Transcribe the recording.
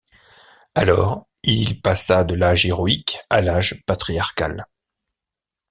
Alors il passa de l’âge héroïque à l’âge patriarcal.